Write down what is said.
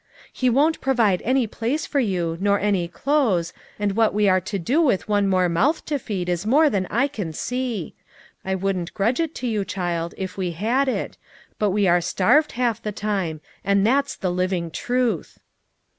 He won't provide any place for you, nor any clothes, and what we are to do with one more mouth to feed is more than I can see. I wouldn't grudge it to you, child, if we had it ; but we are starved, half the time, and that's the living truth."